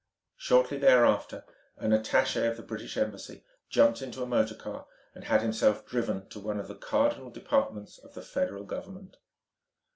Shortly thereafter an attaché of the British Embassy jumped into a motor car and had himself driven to one of the cardinal departments of the Federal Government.